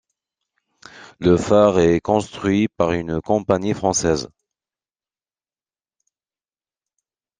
Le phare est construit par une compagnie française.